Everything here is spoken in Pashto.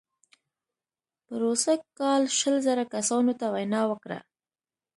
پروسږ کال شل زره کسانو ته وینا وکړه.